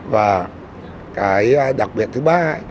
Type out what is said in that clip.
và cái đặc biệt thứ ba